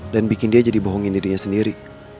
dan bikin dia jadi bohongin dirinya sendiri